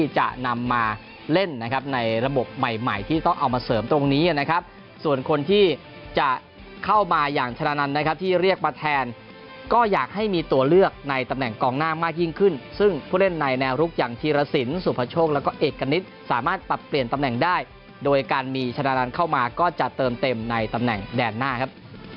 จะเข้ามาอย่างชนะนันนะครับที่เรียกมาแทนก็อยากให้มีตัวเลือกในตำแหน่งกองหน้ามากยิ่งขึ้นซึ่งผู้เล่นในแนวรุกอย่างทีระสินสุภาชงศ์แล้วก็เอกการิจสามารถปรับเปลี่ยนตำแหน่งได้โดยการมีชนะนันเข้ามาก็จะเติมเต็มในตำแหน่งแดดหน้าครับ